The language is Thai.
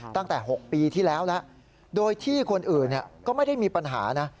ตั้งแต่๖ปีที่แล้วแล้วโดยที่คนอื่นก็ไม่ได้มีปัญหานะ